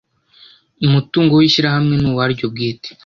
Umutungo w ishyirahamwe ni uwaryo bwite